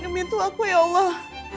membantu aku ya allah